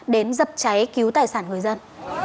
đến dập cháy cứu tài sản người dân